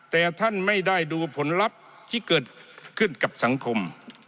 แต่ท่านไม่ได้ดูผลลัพธ์ที่เกิดขึ้นกับสังคม